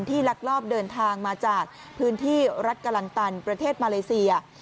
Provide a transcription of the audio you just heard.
ลักลอบเดินทางมาจากพื้นที่รัฐกะลันตันประเทศมาเลเซีย